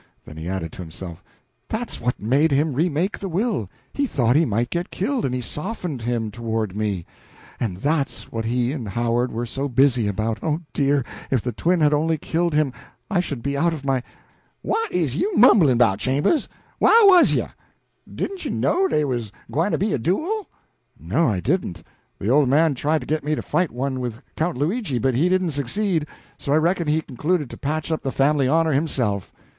Then he added to himself: "That's what made him re make the will; he thought he might get killed, and it softened him toward me. And that's what he and Howard were so busy about.... Oh dear, if the twin had only killed him, I should be out of my " "What is you mumblin' bout, Chambers? Whah was you? Didn't you know dey was gwyne to be a duel?" "No, I didn't. The old man tried to get me to fight one with Count Luigi, but he didn't succeed, so I reckon he concluded to patch up the family honor himself."